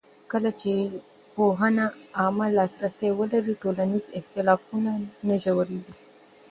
کله چې پوهنه عامه لاسرسی ولري، ټولنیز اختلافونه نه ژورېږي.